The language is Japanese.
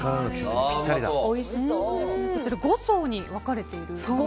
こちら、５層に分かれていると。